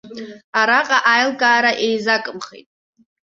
Араҟа аилкаара еизакымхеит.